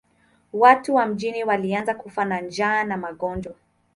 Watu wa mjini walianza kufa njaa na magonjwa.